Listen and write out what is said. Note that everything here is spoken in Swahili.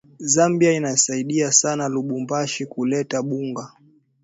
Zambia inasaidia sana lubumbashi kuleta bunga